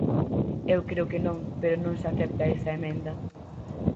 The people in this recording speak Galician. Eu creo que non, pero non se acepta esa emenda.